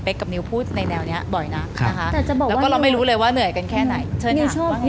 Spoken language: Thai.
เป๊ะกับนิวพูดในแถวนี้บ่อยนะแล้วก็เราไม่รู้เลยเหนื่อยกันแค่ไหนเชิญหาว่าไงต่อ